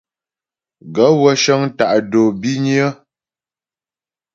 Gaə̂ wə́ cə́ŋ tá' dǒ bínyə́.